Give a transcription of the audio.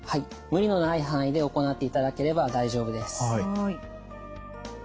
無理のない範囲で行っていただければ大丈夫です。